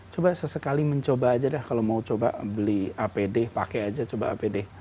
coba sesekali mencoba aja dah kalau mau coba beli apd pakai aja coba apd